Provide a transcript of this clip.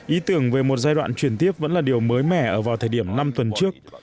ý tưởng về một giai đoạn chuyển tiếp vẫn là điều mới mẻ ở vào thời điểm năm tuần trước